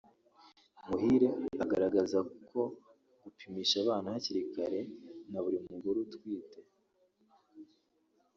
Muhire agaraza ko gupimisha abana hakiri kare na buri mugore utwite